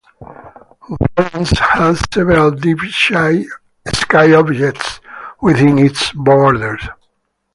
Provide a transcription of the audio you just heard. Volans has several deep-sky objects within its borders.